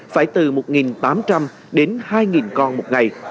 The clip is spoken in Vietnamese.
phải từ một tám trăm linh đến hai con một ngày